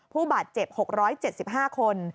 ผู้บาดเจ็บ๖๗๕คน